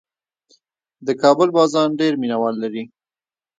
د کابل بازان ډېر مینه وال لري.